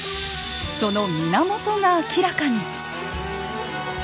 その源が明らかに！